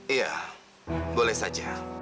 iya boleh saja